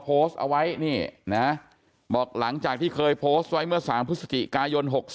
โพสต์เอาไว้นี่นะบอกหลังจากที่เคยโพสต์ไว้เมื่อ๓พฤศจิกายน๖๒